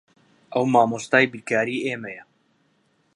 ئەو مامۆستای بیرکاریی ئێمەیە.